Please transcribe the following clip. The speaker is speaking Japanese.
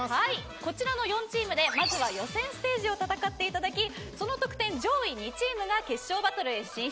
こちらの４チームで予選ステージを戦っていただきその得点上位２チームが決勝バトル進出。